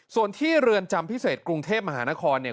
ส่วนที่เรือนจำพิเศษกรุงเทพมหานครเนี่ย